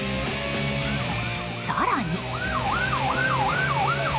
更に。